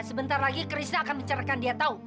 sebentar lagi krisna akan mencerahkan dia tau